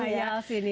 hayal sih ini